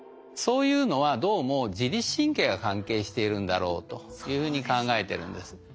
そういうのはどうも自律神経が関係しているんだろうというふうに考えてるんです。